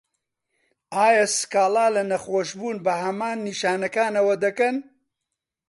ئایا سکاڵا له نەخۆشبوون بە هەمان نیشانەکانەوه دەکەن؟